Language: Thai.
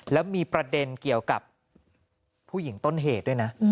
แล้วมีประเด็นเกี่ยวกับผู้หญิงต้นเหตุด้วยนะ